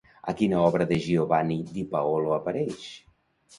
A quina obra de Giovanni di Paolo apareix?